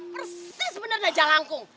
persis bener aja jelangkung